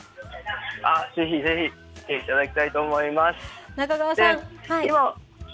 ぜひぜひ、来ていただきたいと思います。